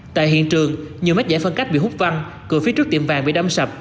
tại hiện trường nhiều mét giải phân cách bị hút văn cửa phía trước tiệm vàng bị đâm sập